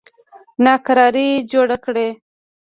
ناکراري جوړه کړي.